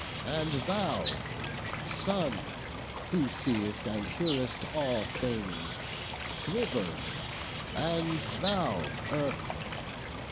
and thou Sun, who see'st And hearest all things! Rivers! and thou Earth!